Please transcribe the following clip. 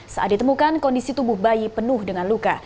saat ditemukan kondisi tubuh bayi penuh dengan luka